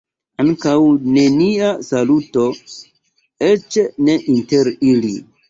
Ankaŭ nenia saluto, eĉ ne inter ili.